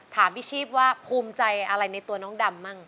ถามพี่ชีพว่าภูมิใจอะไรในตัวน้องดำบ้าง